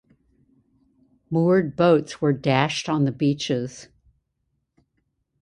Moored boats were dashed on the beaches.